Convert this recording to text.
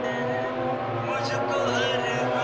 Pir Salman Yusuf.